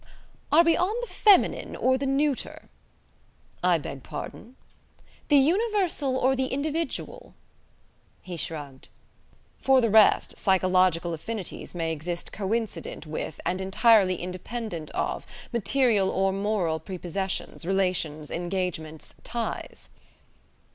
"Are we on the feminine or the neuter?" "I beg pardon?" "The universal or the individual?" He shrugged. "For the rest, psychological affinities may exist coincident with and entirely independent of material or moral prepossessions, relations, engagements, ties."